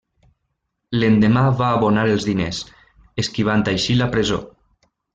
L'endemà va abonar els diners, esquivant així la presó.